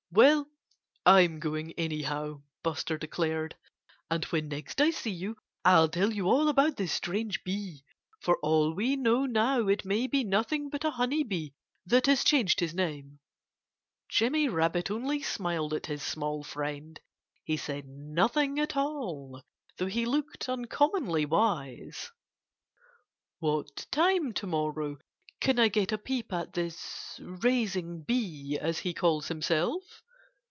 "Well, I'm going, anyhow," Buster declared. "And when next I see you I'll tell you all about this strange bee. For all we know now it may be nothing but a honey bee that has changed his name." Jimmy Rabbit only smiled at his small friend. He said nothing at all though he looked uncommonly wise. "What time to morrow can I get a peep at this 'raising bee,' as he calls himself?"